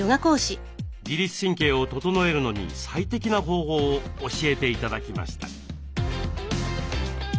自律神経を整えるのに最適な方法を教えて頂きました。